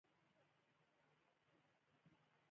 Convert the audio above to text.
ایا ستاسو خبر به ریښتیا وي؟